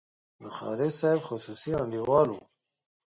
د خالص صاحب خصوصي انډیوال وو.